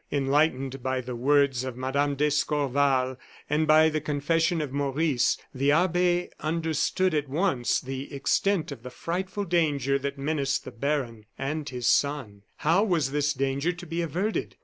Enlightened by the words of Mme. d'Escorval and by the confession of Maurice, the abbe understood at once the extent of the frightful danger that menaced the baron and his son. How was this danger to be averted?